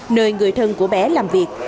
nơi người thân của bé làm việc